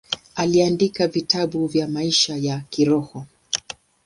Aliandika vitabu vya maisha ya kiroho.